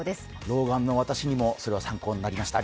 老眼の私にもそれは参考になりました。